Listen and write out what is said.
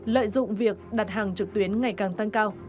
lợi dụng việc đặt hàng trực tuyến ngày càng tăng cao